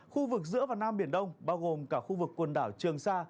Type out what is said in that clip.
khu vực giữa và nam biển đông bao gồm cả khu vực quần đảo trường sa